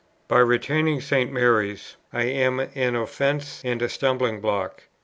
"By retaining St. Mary's, I am an offence and a stumbling block.